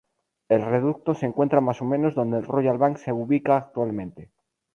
El reducto se encuentra más o menos donde el Royal Bank se ubica actualmente.